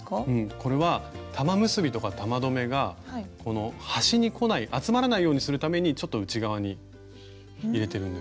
これは玉結びとか玉留めがこの端にこない集まらないようにするためにちょっと内側に入れてるんです。